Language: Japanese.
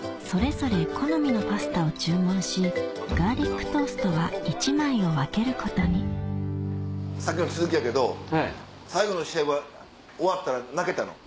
ガーリックトーストは１枚を分けることにさっきの続きやけど最後の試合は終わったら泣けたの？